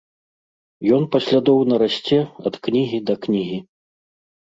Ён паслядоўна расце ад кнігі да кнігі.